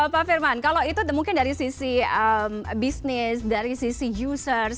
pak firman kalau itu mungkin dari sisi bisnis dari sisi users